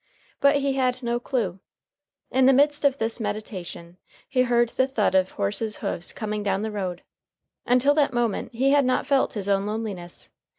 But he had no clue. In the midst of This meditations he heard the thud of horses' hoofs coming down the road. Until that moment he had not felt his own loneliness.